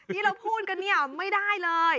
นี่เราพูดกันเนี่ยไม่ได้เลย